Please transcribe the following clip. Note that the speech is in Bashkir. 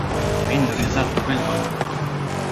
Мин риза түгел быға!